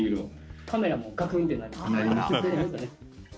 カメラもがくんってなりました。